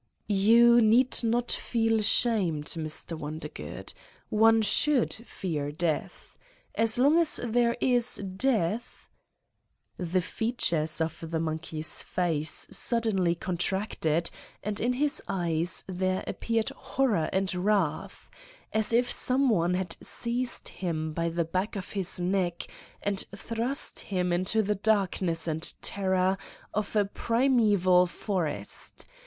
<r You need not feel ashamed, Mr. Wonder good : one should fear death. As long as there is death ..." The features of the monkey's face suddenly contracted and in his eyes there appeared horror and wrath : as if some one had seized him by the back of his neck and thrust him into the darkness and terror of a primeval forest.